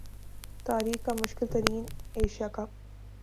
تاریخ کا مشکل ترین ایشیا کپ